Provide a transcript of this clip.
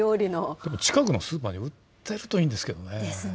でも近くのスーパーに売ってるといいんですけどね。